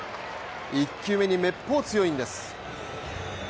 １球目にめっぽう強いんです。